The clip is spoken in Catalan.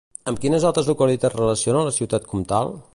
Amb quines altres localitats relaciona la ciutat comtal?